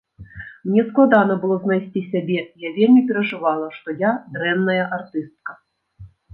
Мне складана было знайсці сябе, я вельмі перажывала, што я дрэнная артыстка.